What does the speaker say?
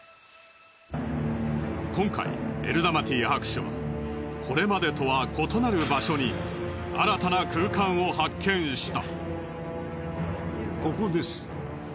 今回エルダマティ博士はこれまでとは異なる場所に新たな空間を発見した。